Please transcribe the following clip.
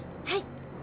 はい。